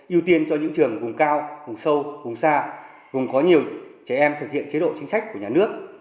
ưu tiên cho những trường vùng cao vùng sâu vùng xa vùng có nhiều trẻ em thực hiện chế độ chính sách của nhà nước